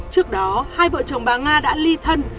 trước đó hai vợ chồng bà nga đã ly thân